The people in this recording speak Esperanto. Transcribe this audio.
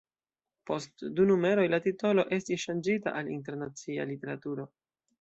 Post du numeroj la titolo estis ŝanĝita al Internacia Literaturo.